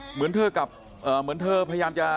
เหมือนเธอกับเหมือนเธอพยายามจะ